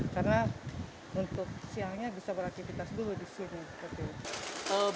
karena untuk siangnya bisa beraktivitas dulu di sini